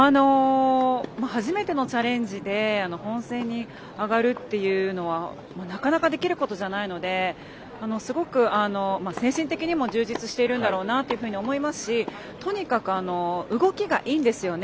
初めてのチャレンジで本戦に上がるっていうのはなかなかできることじゃないのですごく精神的にも充実しているんだろうなと思いますしとにかく動きがいいんですよね。